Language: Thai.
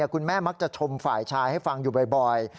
คุณแม่มักจะชมฝ่ายชายให้ฟังอยู่บ่อย